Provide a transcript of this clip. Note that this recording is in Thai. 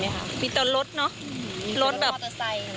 ไม่มีที่บุคคลแล้วอ่ะ